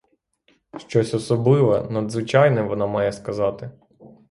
Щось особливе, надзвичайне вона має сказати.